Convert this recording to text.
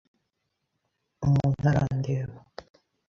Umuntu arandeba.